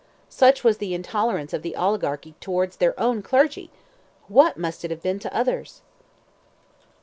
Such was the intolerance of the oligarchy towards their own clergy. What must it have been to others!